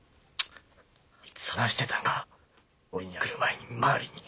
あいつ話してたんか俺に会いにくる前に周りに！